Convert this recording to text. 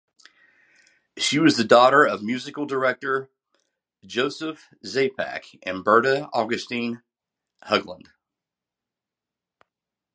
She was the daughter of Musical director Josef Czapek and Berta Augustina Haglund.